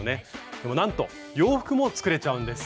でもなんと洋服も作れちゃうんです。